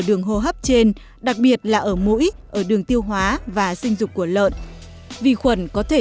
đường hô hấp trên đặc biệt là ở mũi ở đường tiêu hóa và sinh dục của lợn vi khuẩn có thể